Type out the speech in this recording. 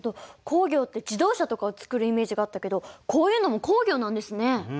工業って自動車とかを作るイメージがあったけどこういうのも工業なんですね。